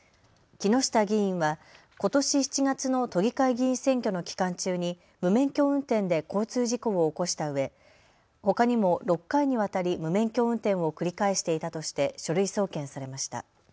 木下議員はことし７月の都議会議員選挙の期間中に無免許運転で交通事故を起こしたうえほかにも６回にわたり無免許運転を繰り返していたとして書類送検されました。